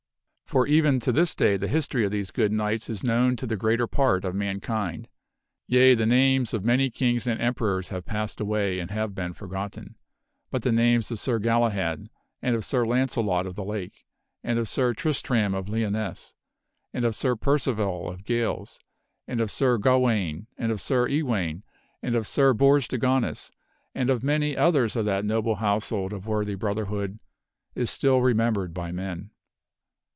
For even to this day the history of these good knights is known to the greater part of mankind. Yea; the names of many kings and emperors have passed away and have been forgotten, but the names of Sir Galahad, and of Sir Launcelot of the Lake, and of Sir Tristram of Lyonesse, and of Sir Percival of Gales, and of Sir Gawaine, and of Sir Ewaine, and of Sir Bors de Ganis, and of many others of that noble household of worthy brotherhood, is still remembered by men.